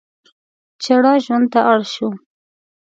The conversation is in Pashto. چړه ژوند ته اړ شوي.